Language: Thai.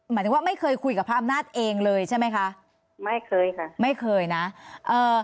หมายถึงว่าไม่เคยคุยกับพระอำนาจเองเลยใช่ไหมคะไม่เคยค่ะไม่เคยนะเอ่อ